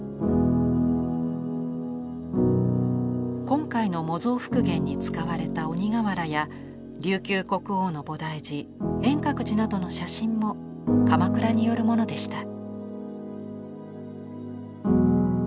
今回の模造復元に使われた鬼瓦や琉球国王の菩提寺円覚寺などの写真も鎌倉によるものでした。